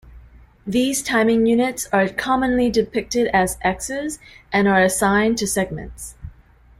These timing units are commonly depicted as X's, and are assigned to segments.